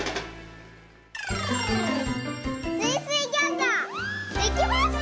スイスイギョーザできました！